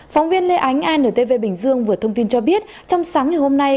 phóng viên lê ánh antv bình dương vừa thông tin cho biết trong sáng ngày hôm nay